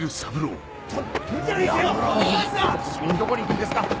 どこに行くんですか！